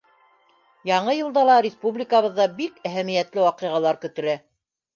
Яңы йылда ла республикабыҙҙа бик әһәмиәтле ваҡиғалар көтөлә.